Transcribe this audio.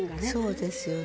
そうですよね。